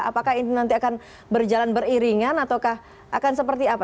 apakah ini nanti akan berjalan beriringan ataukah akan seperti apa